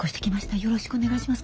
よろしくお願いします